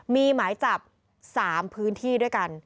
มีหมายจับ๓พื้นที่ด้วยกัน